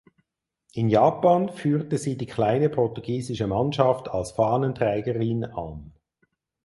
In Japan führte sie die kleine portugiesische Mannschaft als Fahnenträgerin an.